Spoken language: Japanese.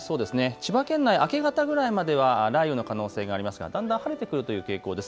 千葉県内、明け方ぐらいまでは雷雨の可能性がありますがだんだん晴れてくる傾向です。